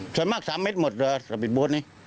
ส่วนมาก๓เมตรหมดสปิดบวชนี่